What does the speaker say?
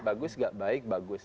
bagus gak baik bagus